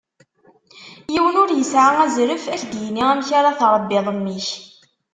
Yiwen ur yesεa azref ad k-d-yini amek ara tṛebbiḍ mmi-k.